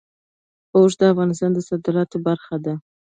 اوښ د افغانستان د صادراتو برخه ده.